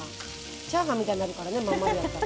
チャーハンみたいになるからね真ん丸やったら。